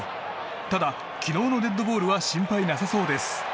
ただ、昨日のデッドボールは心配なさそうです。